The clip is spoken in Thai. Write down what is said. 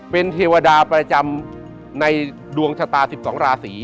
เป็นเทวดาประจำในดวงชะตา๑๒ราศี